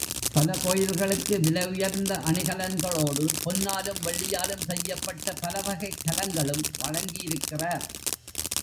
பல கோயில்களுக்கு விலை உயர்ந்த அணிகலன்களோடு பொன்னாலும் வெள்ளியாலும் செய்யப்பட்ட பலவகைக் கலங்களும் வழங்கியிருக்கிறார்.